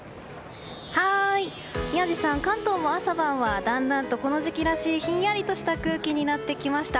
宮司さん、関東も朝晩はだんだんとこの時期らしい、ひんやりとした空気になってきました。